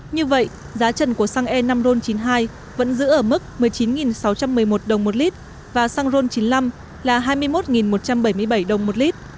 như vậy giá trần của xăng e năm ron chín mươi hai vẫn giữ ở mức một mươi chín sáu trăm một mươi một đồng một lít và xăng ron chín mươi năm là hai mươi một một trăm bảy mươi bảy đồng một lít